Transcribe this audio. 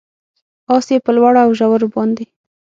اس یې په لوړو اوژورو باندې،